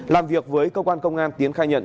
làm việc với công an công an tiến khai nhận